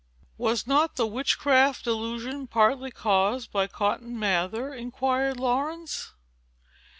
"Was not the witchcraft delusion partly caused by Cotton Mather?" inquired Laurence.